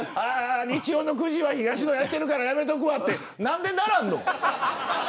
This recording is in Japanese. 日曜の９時は東野がやってるからやめとくわって何でならんの。